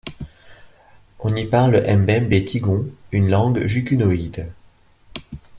On y parle le mbembe tigon, une langue jukunoïde.